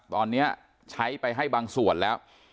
ตอนนี้ใช้ไปให้บางส่วนแล้ว